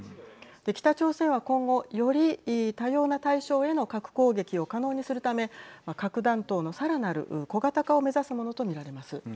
北朝鮮は今後より多様な対象への核攻撃を可能にするため核弾頭のさらなる小型化を目指すものと見られます。